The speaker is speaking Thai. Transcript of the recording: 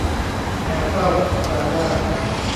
แมวเฝ้าปลาย่าง